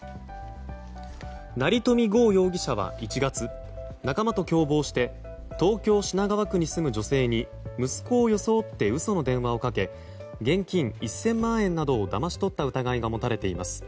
成富豪容疑者は１月仲間と共謀して東京・品川区に住む女性に息子を装って嘘の電話をかけ現金１０００万円などをだまし取った疑いが持たれています。